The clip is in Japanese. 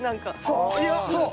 そうそう。